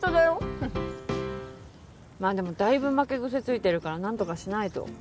まあでもだいぶ負け癖ついてるから何とかしないと。